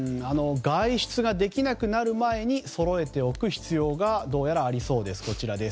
外出ができなくなる前にそろえておく必要がありそうです。